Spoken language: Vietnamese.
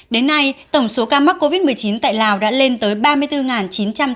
đến nay tổng số ca mắc covid một mươi chín tại lào đã lên tổng số ca mắc covid một mươi chín